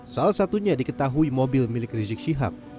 salah satunya diketahui mobil milik rizik syihab